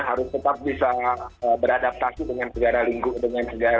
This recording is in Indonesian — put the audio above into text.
harus tetap bisa beradaptasi dengan negara lingkungan dengan negara